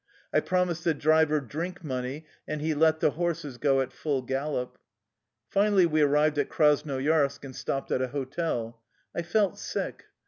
I promised the driver na vodku ^^ and he let the horses go at full gal lop. Finally we arrived in Krasnoyarsk, and stopped at a hotel. I felt sick.